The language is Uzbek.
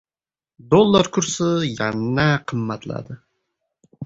Dollar kursi yana qimmatladi